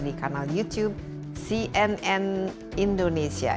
di kanal youtube cnn indonesia